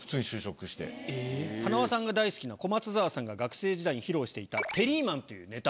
塙さんが大好きな小松沢さんが学生時代に披露していた「テリーマン」というネタ